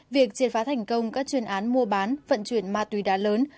việc triệt phá thành công các chuyên án mua bán vận chuyển ma túy đá lớn